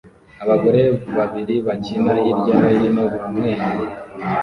abagore babiri bakina hirya no hino bamwenyura